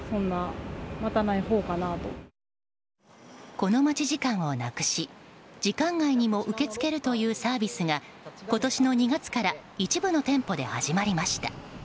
この待ち時間をなくし時間外にも受け付けるというサービスが今年の２月から一部の店舗で始まりました。